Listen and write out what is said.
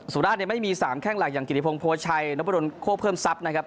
สุราชเนี่ยไม่มี๓แข้งหลักอย่างกิติพงศ์ชัยนพดลโคเพิ่มทรัพย์นะครับ